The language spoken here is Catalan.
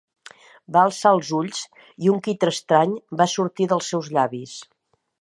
Va alçar els ulls i un crit estrany va sortir dels seus llavis.